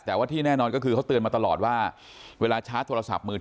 แต่ว่าที่แน่นอนก็คือเขาเตือนมาตลอดว่าเวลาชาร์จโทรศัพท์มือถือ